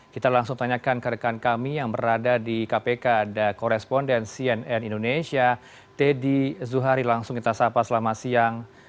kita langsung tanyakan ke rekan kami yang berada di kpk ada koresponden cnn indonesia teddy zuhari langsung kita sapa selama siang